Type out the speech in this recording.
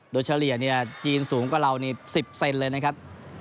โดยเฉลี่ยจีนสูงกว่าเรานี่๑๐เซนเลยนะครับ